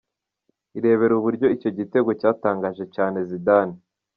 Irebere uburyo icyo gitego cyatangaje cyane Zidane.